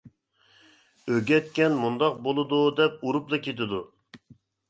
ئۆگەتكەن مۇنداق بولىدۇ دەپ ئۇرۇپلا كېتىدۇ.